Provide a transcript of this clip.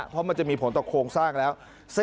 เพราะมันจะมีผลต่อโครงสร้างแล้ว